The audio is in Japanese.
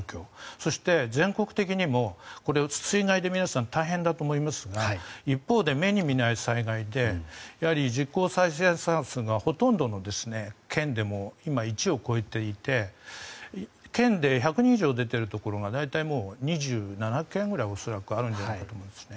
そして、全国的にも、水害で皆さん、大変だと思いますが一方で目に見えない災害で実効再生産数がほとんどの県でも今、１を超えていて県で１００人以上出ているところが大体２７県ぐらいあるんじゃないかと思うんですね。